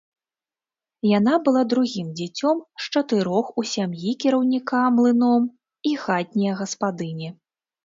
Яна была другім дзіцём з чатырох у сям'і кіраўніка млыном і хатнія гаспадыні.